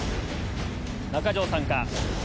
中条さんか？